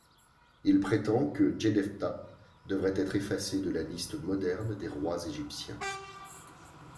Il prétend que Djédefptah devrait être effacé de la liste moderne des rois égyptiens.